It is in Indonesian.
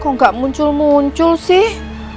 kok nggak muncul muncul sih